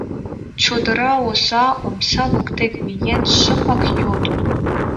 Чодыра оза, омса воктек миен, шыпак йодо.